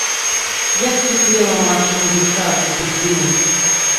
Як кіпела матчына душа ад такіх думак.